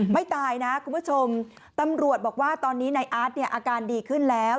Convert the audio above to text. ไม่ตายนะคุณผู้ชมตำรวจบอกว่าตอนนี้นายอาร์ตเนี่ยอาการดีขึ้นแล้ว